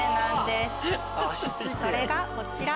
それがこちら。